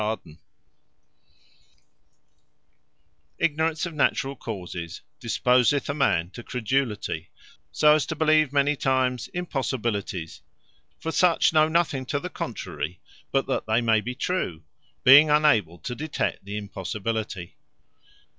Credulity From Ignorance Of Nature Ignorance of naturall causes disposeth a man to Credulity, so as to believe many times impossibilities: for such know nothing to the contrary, but that they may be true; being unable to detect the Impossibility.